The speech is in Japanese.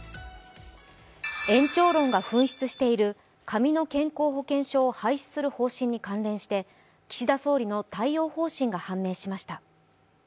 延長論が噴出している紙の保険証を廃止する方針に関連して岸田総理の対応方針が判明しました。